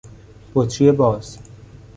بطری باز